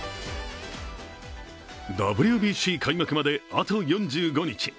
ＷＢＣ開幕まであと４５日。